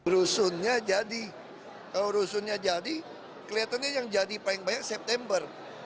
rusunnya jadi kalau rusunnya jadi kelihatannya yang jadi paling banyak september